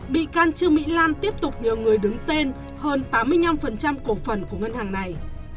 bị can trương mỹ lan tiếp tục nhờ người đứng tên hơn tám mươi năm cổ phần của ngân hàng này